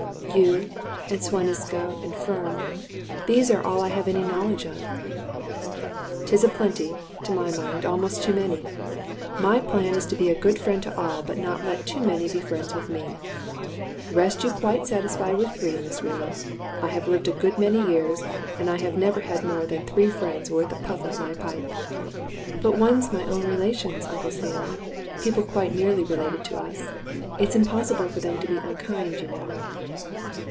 "You and Suan Isco and Firm those are all I have any knowledge of." "'Tis a plenty to my mind, almost too many. My plan is to be a good friend to all, but not let too many be friends with me. Rest you quite satisfied with three, Miss Rema. I have lived a good many years, and I never had more than three friends worth a puff of my pipe." "But one's own relations, Uncle Sam people quite nearly related to us: it is impossible for them to be unkind, you know."